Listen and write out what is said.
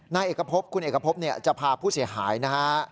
นายเอกพบคุณเอกพบจะพาผู้เสียหายนะฮะ